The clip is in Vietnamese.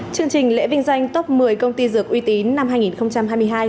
chương trình lễ vinh danh top một mươi công ty dược uy tín năm hai nghìn hai mươi hai